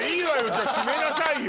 じゃあ締めなさいよ。